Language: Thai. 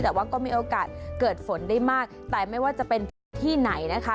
แต่ว่าก็มีโอกาสเกิดฝนได้มากแต่ไม่ว่าจะเป็นพื้นที่ไหนนะคะ